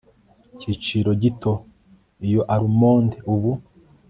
Igiciro gito Iyo almonde ubu